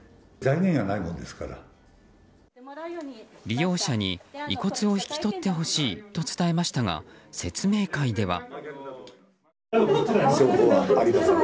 利用者に遺骨を引き取ってほしいと伝えましたが、説明会では。